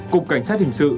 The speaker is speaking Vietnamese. cục cảnh sát hình sự